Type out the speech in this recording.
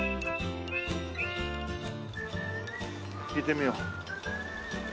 聞いてみよう。